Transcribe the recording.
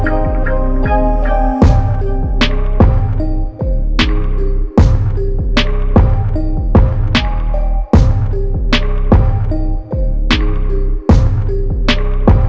apa yang mau lo bicara